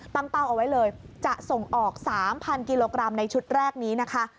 เป้าเอาไว้เลยจะส่งออก๓๐๐กิโลกรัมในชุดแรกนี้นะคะ